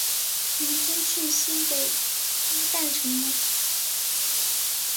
明天去新北耶诞城吗？